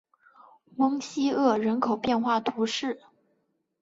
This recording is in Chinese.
翁西厄人口变化图示